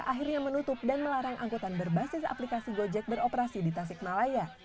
akhirnya menutup dan melarang angkutan berbasis aplikasi gojek beroperasi di tasikmalaya